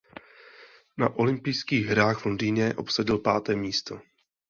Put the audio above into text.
Na olympijských hrách v Londýně obsadil páté místo.